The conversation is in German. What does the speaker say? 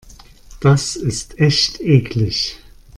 Das ist echt eklig.